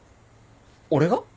俺が？